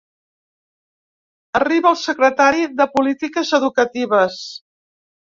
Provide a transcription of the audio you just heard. Arriba el secretari de polítiques educatives.